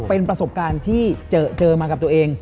เป็นประสบการณ์ที่เจอมากับตัวเอง